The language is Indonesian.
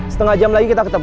setengah jam lagi kita ketemu